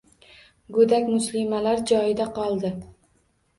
Go‘dak muslimalar joyida qoldi.